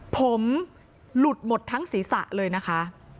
ผมหลุดหมดทั้งศีรษะเลยนะคะ